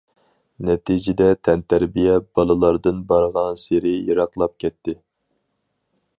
نەتىجىدە تەنتەربىيە بالىلاردىن بارغانسېرى يىراقلاپ كەتتى.